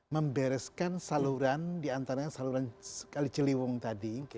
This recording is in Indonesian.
membereskan saluran di antaranya saluran sekali ciliwung tadi